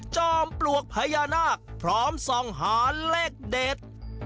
จอมปลวกพญานาคพร้อมส่องหาเลขเด็ด